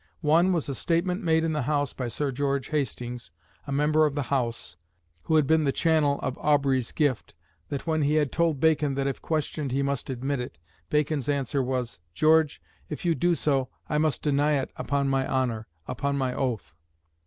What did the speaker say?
One was a statement made in the House by Sir George Hastings, a member of the House, who had been the channel of Awbry's gift, that when he had told Bacon that if questioned he must admit it, Bacon's answer was: "George, if you do so, I must deny it upon my honour upon my oath."